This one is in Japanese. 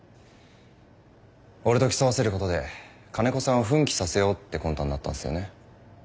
俺と競わせることで金子さんを奮起させようって魂胆だったんすよね？